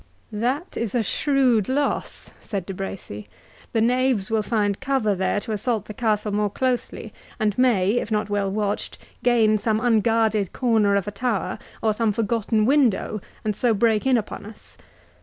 "That is a shrewd loss," said De Bracy; "the knaves will find cover there to assault the castle more closely, and may, if not well watched, gain some unguarded corner of a tower, or some forgotten window, and so break in upon us.